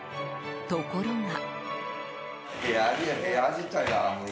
ところが。